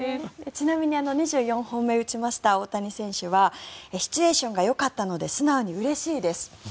ちなみに２４本目を打ちました大谷選手はシチュエーションがよかったので素直にうれしいです。